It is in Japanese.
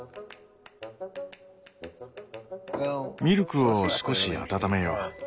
ミルクを少し温めよう。